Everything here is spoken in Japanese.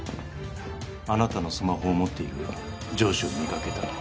あなたのスマホを持っている上司を見かけたのは。